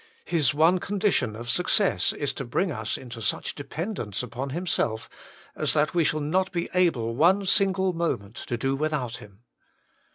His one condition of success, is to bring us into such dependence upon Himself as that we shall not be able one single moment to do without Him.